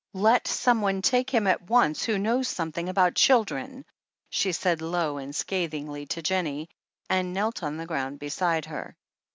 "Let someone take him at once, who knows some thing about children/' she said low and scathingly to Jennie, and knelt on the ground beside her.